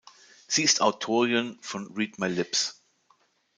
Sie ist Autorin von "Read My Lips.